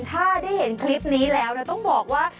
ถ้าได้เห็นคลิปนี้แล้วต้องบอกว่า